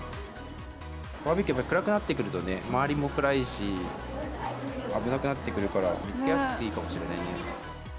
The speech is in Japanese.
バーベキューも暗くなってくるとね、周りも暗いし、危なくなってくるから、見つけやすくていいかもしれないね。